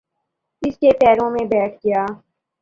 اس کے پیروں میں بیٹھ گیا۔